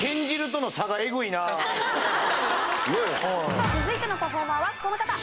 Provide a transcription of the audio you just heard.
さぁ続いてのパフォーマーはこの方。